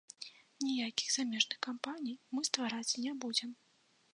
Ніякіх замежных кампаній мы ствараць не будзем.